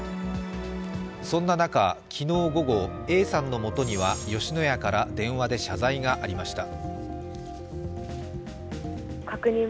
そんな中、昨日午後、Ａさんのもとには吉野家から電話で謝罪がありました。